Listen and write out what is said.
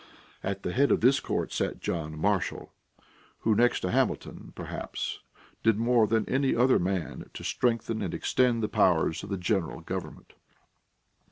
At the head of this court sat John Marshall, who next to Hamilton, perhaps, did more than any other man to strengthen and extend the powers of the general government.